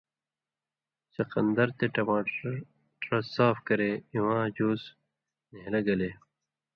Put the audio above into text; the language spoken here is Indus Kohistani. چقندر تے ٹماٹرہ صاف کرے اِواں جُوس نھیلہ گلے